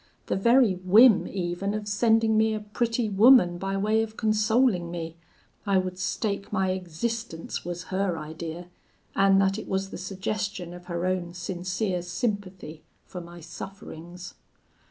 The very whim even of sending me a pretty woman by way of consoling me, I would stake my existence, was her idea, and that it was the suggestion of her own sincere sympathy for my sufferings.